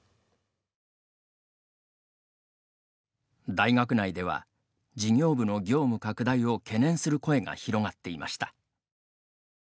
大学内では事業部の業務拡大を懸念する声が広がっていました。